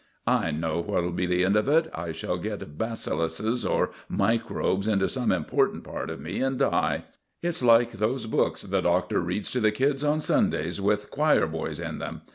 I know what'll be the end of it. I shall get bacilluses or microbes into some important part of me, and die. It's like those books the Doctor reads to the kids on Sundays, with choir boys in them.